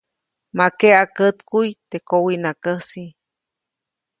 Ma keʼa kätkuʼy teʼ kowiʼnakäjsi.